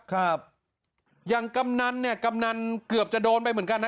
ครับอย่างกำนันเนี่ยกำนันเกือบจะโดนไปเหมือนกันนะ